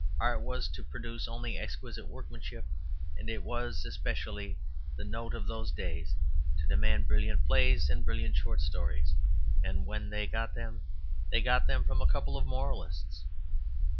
Art was to produce only exquisite workmanship, and it was especially the note of those days to demand brilliant plays and brilliant short stories. And when they got them, they got them from a couple of moralists.